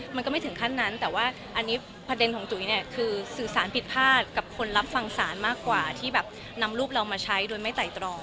มันก็ไม่ถึงขั้นนั้นแต่ว่าอันนี้ประเด็นของจุ๋ยเนี่ยคือสื่อสารผิดพลาดกับคนรับฟังศาลมากกว่าที่แบบนำรูปเรามาใช้โดยไม่ไต่ตรอง